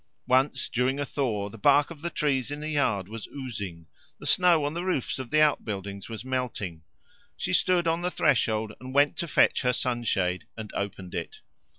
Once, during a thaw the bark of the trees in the yard was oozing, the snow on the roofs of the outbuildings was melting; she stood on the threshold, and went to fetch her sunshade and opened it.